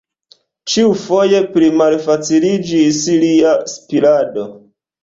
Ĉiufoje plimalfaciliĝis lia spirado.